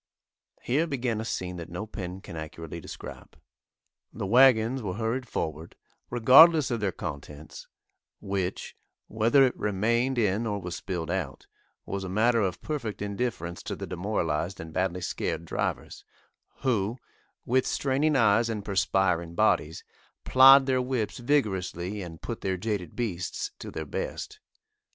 Here began a scene that no pen can accurately describe. The wagons were hurried forward, regardless of their contents, which, whether it remained in or was spilled out, was a matter of perfect indifference to the demoralised and badly scared drivers, who, with straining eyes and perspiring bodies, plied their whips vigorously and put their jaded beasts to their best.